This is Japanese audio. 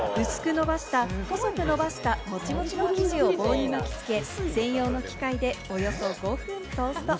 薄くのばしたモチモチの生地を棒に巻き付け、専用の機械でおよそ５分トースト。